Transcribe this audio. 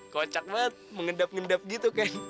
kocak banget mengendap endap gitu ken